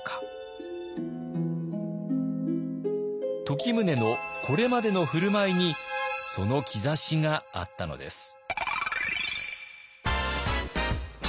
時宗のこれまでの振る舞いにその兆しがあったのです。